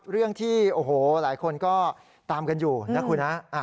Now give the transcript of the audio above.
เรื่องที่โอ้โหหลายคนก็ตามกันอยู่นะคุณฮะ